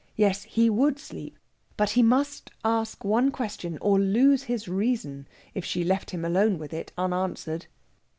Yes, he would sleep; but he must ask one question, or lose his reason if she left him alone with it unanswered.